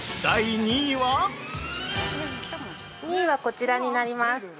◆２位は、こちらになります。